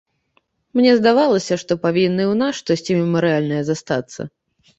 Мне здавалася, што павінна і ў нас штосьці мемарыяльнае застацца.